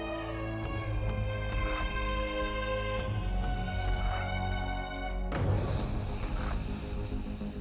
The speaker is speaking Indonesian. masih ada yang mau ngomong